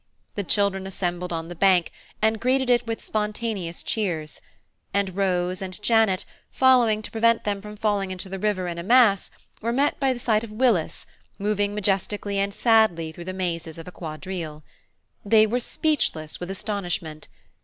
The children assembled on the bank, and greeted it with spontaneous cheers, and Rose and Janet, following to prevent them from falling into the river in a mass, were met by the sight of Willis moving majestically and sadly through the mazes of a quadrille. They were speechless with astonishment.